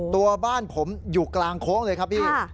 ตัวบ้านผมอยู่กลางโค้งเลยครับพี่